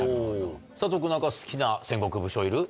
佐藤君何か好きな戦国武将いる？